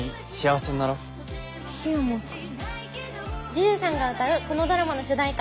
ＪＵＪＵさんが歌うこのドラマの主題歌